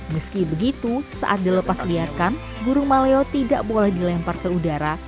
meski begitu saat dilepas liarkan burung maleo tidak boleh dilempar ke udara